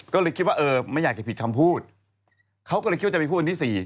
ก็เลยคิดว่าเออไม่อยากจะผิดคำพูดเขาก็เลยคิดว่าจะไปพูดวันที่๔